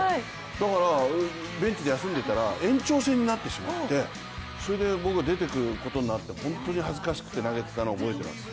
だからベンチで休んでたら延長戦になってしまって、それで僕が出ていくことになって本当に恥ずかしくて投げていたのを覚えています。